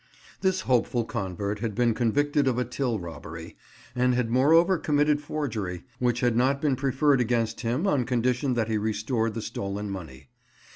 This hopeful convert had been convicted of a till robbery, and had moreover committed forgery, which had not been preferred against him on condition that he restored the stolen money.